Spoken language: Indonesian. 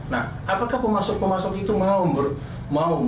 nah apakah pemasok pemasok itu mau memberikan hal ini